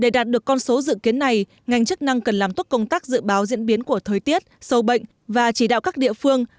để đạt được con số dự kiến này ngành chức năng cần làm tốt công tác dự báo diễn biến của thời tiết sâu bệnh và chỉ đạo các địa phương